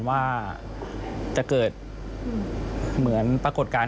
ว่าจะเกิดเหมือนปรากฏการณ์